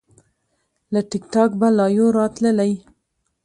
له ټیک ټاک به لایو راتللی